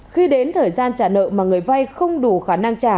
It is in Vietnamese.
khi đến thời gian trả nợ mà người vay không đủ khả năng trả